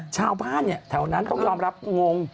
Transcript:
ชาวบ้านแถวนั้นต้องยอมรับงง